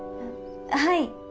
はい。